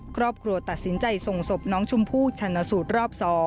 ครอบครัวตัดสินใจส่งศพน้องชมพู่ชันสูตรรอบ๒